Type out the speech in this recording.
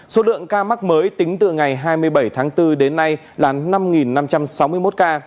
số lượng ca mắc mới tính từ ngày hai mươi bảy tháng bốn đến nay là năm năm trăm sáu mươi một ca